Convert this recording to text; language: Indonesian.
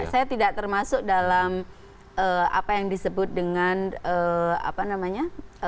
tidak saya tidak termasuk dalam apa yang disebut dengan tim pakar ya